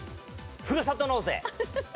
ふるさと納税。